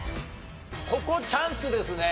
ここチャンスですね。